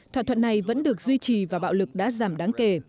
thỏa thuận này vẫn được duy trì và bạo lực đã giảm đáng kể